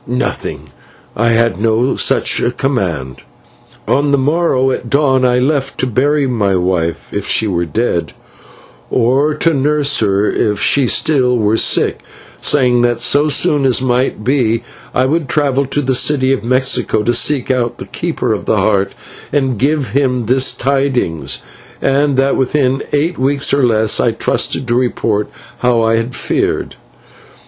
"Nothing; I had no such command. On the morrow at dawn I left to bury my wife, if she were dead, or to nurse her if she still were sick, saying that so soon as might be I would travel to the city of Mexico to seek out the Keeper of the Heart and give him this tidings, and that within eight weeks or less I trusted to report how I had fared.